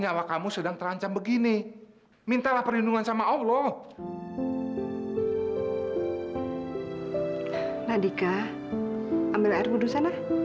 al aku udah nggak tahu lagi ya